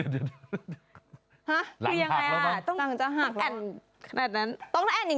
ตะลอนข่าวพร้อม